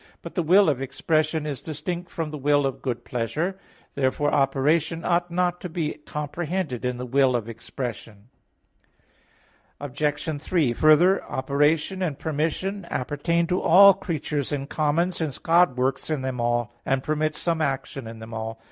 11:26). But the will of expression is distinct from the will of good pleasure. Therefore operation ought not to be comprehended in the will of expression. Obj. 3: Further, operation and permission appertain to all creatures in common, since God works in them all, and permits some action in them all.